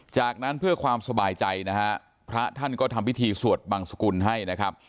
จากนั้นเพื่อความสบายใจนะฮะพระท่านก็ทำพิธีสวดบังสกุลให้นะครับ